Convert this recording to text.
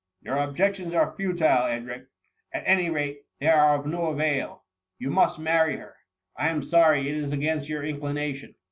*' "Your objections are futile, Edric; at any rate, they are of no avail. You must marry her — I am sorry it is against your inclination.